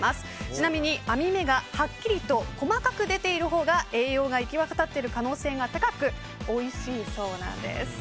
ちなみに網目がはっきりと細かく出ているほうが栄養が行き渡っている可能性が高くおいしいそうなんです。